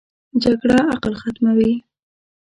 جګړه عقل ختموي